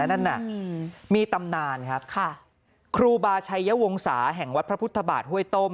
นั่นน่ะมีตำนานครับค่ะครูบาชัยวงศาแห่งวัดพระพุทธบาทห้วยต้ม